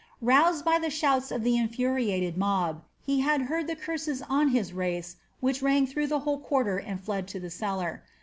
Roused by the shouts of the infuriated mob, he had heard the curses on his race which rang through the whole quarter and fled to the cellar.